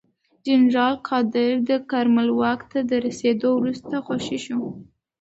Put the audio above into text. جنرال قادر د کارمل واک ته رسېدو وروسته خوشې شو.